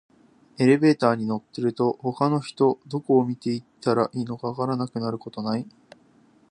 エレベーターに乗ってると、他の人とどこを見ていたらいいか分からなくなることない？